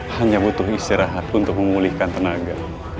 hanya butuh istirahat untuk memulihkan tenaga